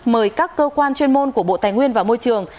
mời các cơ quan chuyên môn của bộ tài nguyên và môi trường